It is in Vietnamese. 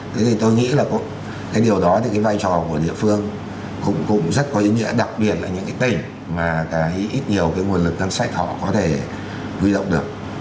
thế thì tôi nghĩ là cái điều đó thì cái vai trò của địa phương cũng rất có ý nghĩa đặc biệt là những cái tỉnh mà cái ít nhiều cái nguồn lực ngân sách họ có thể huy động được